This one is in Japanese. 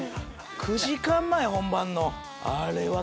９時間前本番の？